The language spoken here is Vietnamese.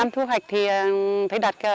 một mươi năm thu hoạch thì phải đặt